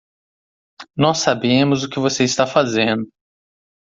Nós sabemos o que você está fazendo.